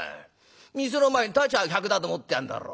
店の前に立ちゃ客だと思ってやんだろ。